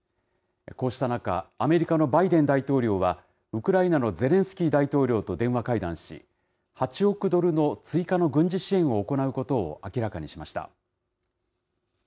こうした中、アメリカのバイデン大統領は、ウクライナのゼレンスキー大統領と電話会談し、８億ドルの追加の軍事支援を行うことを明らかにしました。